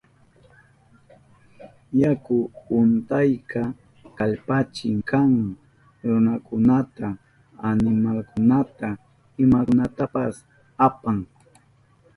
Yaku untayka kallpachik kan, runakunata, animalkunata, imakunatapas apan.